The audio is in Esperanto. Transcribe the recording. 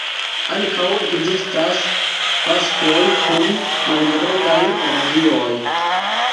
Ankaŭ ekzistas faskoj kun malgrandaj radioj.